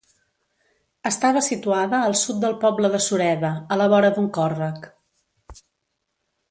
Estava situada al sud del poble de Sureda, a la vora d'un còrrec.